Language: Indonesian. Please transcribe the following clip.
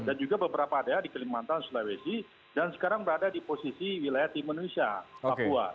dan juga beberapa ada di kelimantan sulawesi dan sekarang berada di posisi wilayah timunusia papua